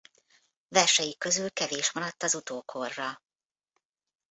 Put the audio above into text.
Versei közül kevés maradt az utókorra.